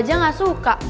lo aja gak suka